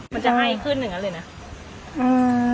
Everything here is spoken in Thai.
มันจะให้ขึ้นหนึ่งนะเลยนะ